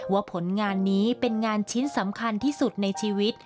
ผลงานนี้เป็นงานชิ้นสำคัญที่สุดในชีวิต